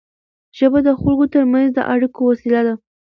ژبه د خلکو ترمنځ د اړیکو وسیله ده.